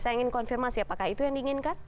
saya ingin konfirmasi apakah itu yang diinginkan